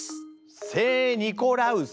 聖・ニコラウス？